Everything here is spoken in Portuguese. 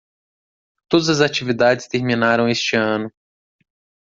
Todas as atividades terminaram este ano.